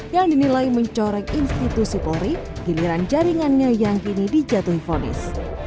yang dinilai mencoreng institusi polri giliran jaringannya yang kini dijatuhi vonis